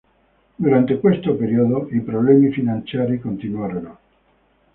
Durante questo periodo, i problemi finanziari continuarono.